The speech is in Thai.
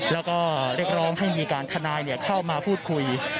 แล้วก็เรียกร้องให้มีการทนายเข้ามาพูดคุย